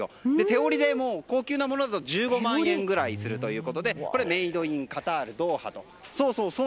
手織りで高級なものだと１５万円ぐらいするそうでメイドインカタール・ドーハと。